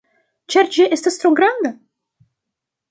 Ĉar ĝi estas tro granda?